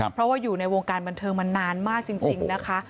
เพราะว่าอยู่ในวงการบันเทิงมานานมากจริงนะคะ